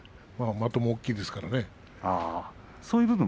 的も大きいですからね。